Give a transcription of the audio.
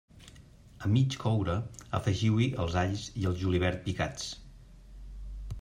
A mig coure, afegiu-hi els alls i el julivert picats.